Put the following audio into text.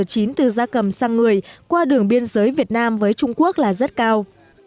tính từ gia cầm sang người qua đường biên giới việt nam với trung quốc là rất cao